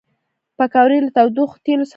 پکورې له تودو تیلو څخه راوزي